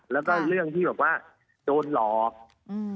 แล้วก็เรื่องที่แบบว่าโดนหลอกอืม